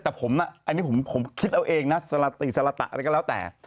แต่ผมน่ะผมคิดเอาเองนะเสร็จศละตะบ์เลยแหละแต่